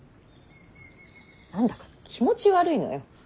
何だか気持ち悪いのよ。